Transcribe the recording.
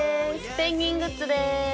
ペンギングッズです。